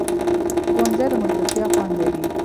ښوونځی د ملګرتیا خوند لري